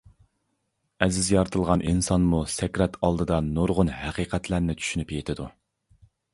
ئەزىز يارىتىلغان ئىنسانمۇ سەكرات ئالدىدا نۇرغۇن ھەقىقەتلەرنى چۈشىنىپ يېتىدۇ.